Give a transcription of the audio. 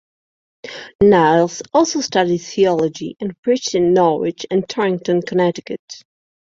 Niles also studied theology and preached in Norwich and Torrington, Connecticut.